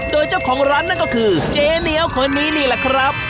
โดยเจ้าของร้านนั่นก็คือเจ๊เหนียวคนนี้นี่แหละครับ